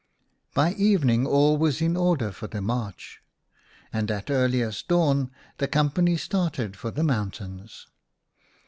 By evening all was in order for the march, and at earliest dawn the company started for the mountains.